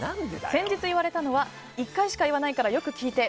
先日言われたのは１回しか言わないからよく聞いて。